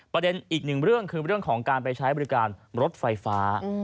ประเด็นอีกหนึ่งเรื่องของการภายการรถไฟฟ้า